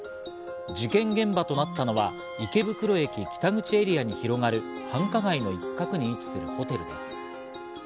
事件現場となったのは、池袋駅北口エリアに広がる、繁華街の一角に位置するホテルです。